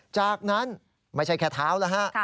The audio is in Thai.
จากนั้นไม่ใช่แค่เท้าแล้วฮะ